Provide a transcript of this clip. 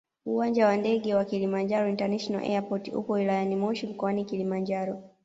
uwanja wa ndege wa kilimanjaro international airport upo wiliyani moshi mkoani Kilimanjaro